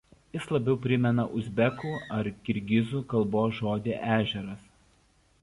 Jis labiau primena uzbekų ar kirgizų kalbos žodį "ežeras".